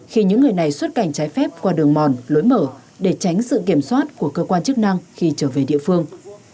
khi những người này xuất cảnh trái phép qua đường mòn lối mở để tránh sự kiểm soát của cơ quan chức năng khi trở về địa phương